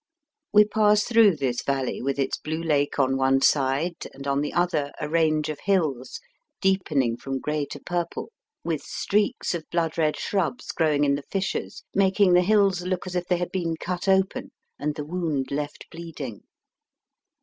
We pass through this valley, with its blue lake on one side, and Digitized by VjOOQIC THE CITY OF THE SAINTS. 93 on the other a range of hills deepening from grey to purple, with streaks of blood red shrubs growing in the fissures, making the hills look as if they had been cut open and the wound left bleeding.